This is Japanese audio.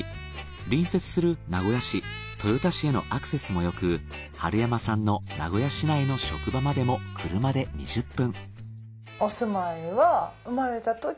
隣接する名古屋市豊田市へのアクセスもよく春山さんの名古屋市内の職場までも車で２０分。